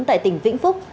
tại tỉnh vĩnh phúc